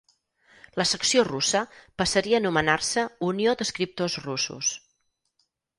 La secció russa passaria a anomenar-se Unió d'Escriptors Russos.